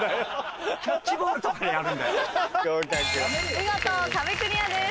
見事壁クリアです。